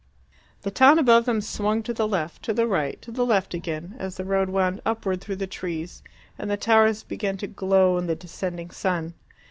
The town above them swung to the left, to the right, to the left again, as the road wound upward through the trees, and the towers began to glow in the descending sun.